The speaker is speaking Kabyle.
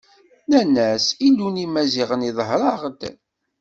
Nnan-as: Illu n Imaziɣen iḍher-aɣ-d.